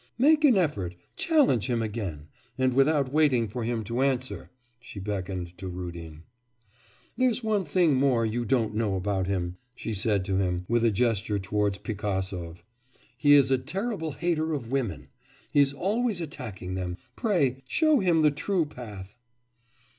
Make an effort, challenge him again,' and without waiting for him to answer, she beckoned to Rudin. 'There's one thing more you don't know about him,' she said to him, with a gesture towards Pigasov, 'he is a terrible hater of women, he is always attacking them; pray, show him the true path.